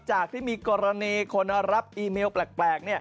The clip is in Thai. จากที่มีกรณีคนรับอีเมลแปลก